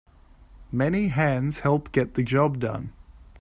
Many hands help get the job done.